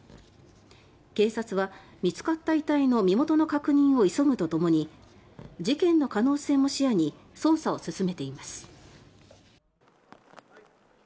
警察は見つかった遺体の身元の確認を急ぐとともに事件の可能性も視野に捜査を進めています。